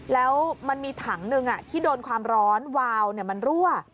แล้วมันมีถังหนึ่งที่โดนความร้อนวาวมันรั่ว